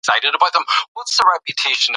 دښتې د افغانستان یوه طبیعي ځانګړتیا ده.